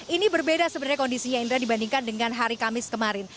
ini berbeda sebenarnya kondisinya indra dibandingkan dengan hari kamis kemarin